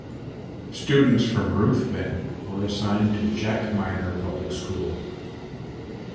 Students from Ruthven were assigned to Jack Miner Public School.